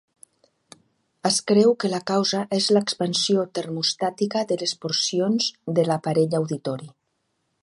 Es creu que la causa és l'expansió termostàtica de les porcions de l'aparell auditori.